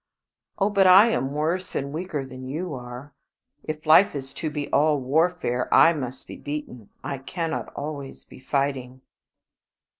"Oh, but I am worse and weaker than you are. If life is to be all warfare, I must be beaten. I cannot always be fighting."